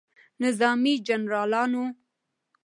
نظامي جنرالانو